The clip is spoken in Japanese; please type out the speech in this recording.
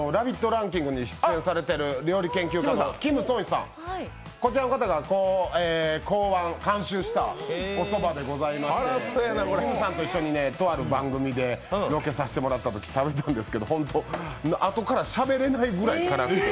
ランキングに主演されている料理研究家のキム・ソンヒさんが考案、監修したおそばでございましてキムさんと一緒に、とある番組でロケさせていただいたときに食べたんですけど、ホントあとからしゃべれないぐらい。